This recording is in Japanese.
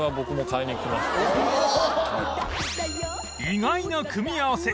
意外な組み合わせ